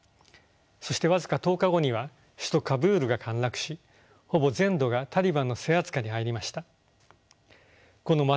そして僅か１０日後には首都カブールが陥落しほぼ全土がタリバンの制圧下に入りました。